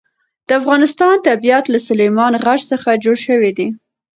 د افغانستان طبیعت له سلیمان غر څخه جوړ شوی دی.